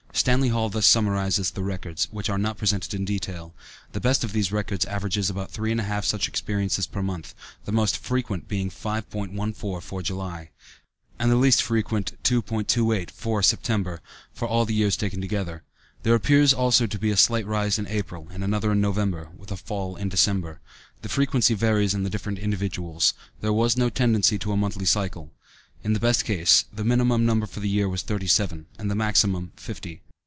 Stanley Hall thus summarizes the records, which are not presented in detail: "The best of these records averages about three and a half such experiences per month, the most frequent being 5.14 for July, and the least frequent 2.28, for September, for all the years taken together. There appears also a slight rise in April, and another in November, with a fall in December." The frequency varies in the different individuals. There was no tendency to a monthly cycle. In the best case, the minimum number for the year was thirty seven, and the maximum, fifty.